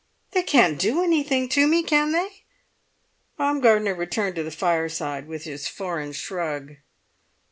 "They can't do anything to me, can they?" Baumgartner returned to the fireside with his foreign shrug.